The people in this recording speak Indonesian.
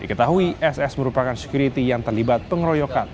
diketahui ss merupakan security yang terlibat pengeroyokan